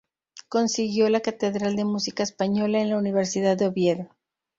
Consiguió la Cátedra de Música Española en la Universidad de Oviedo.